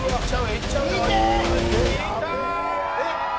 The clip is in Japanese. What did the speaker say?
「いった！」